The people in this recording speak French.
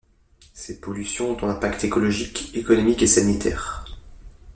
Ces pollutions ont un impact écologique, économique et sanitaire.